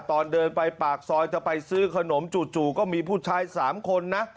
ตอนเดินไปปากซอยจะไปซื้อขนมจู่ก็มีผู้ชาย๓คนนะ